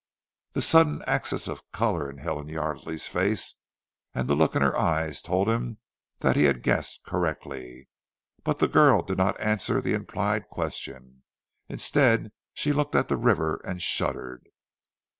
The sudden access of colour in Helen Yardely's face, and the look in her eyes, told him that he had guessed correctly, but the girl did not answer the implied question. Instead she looked at the river and shuddered.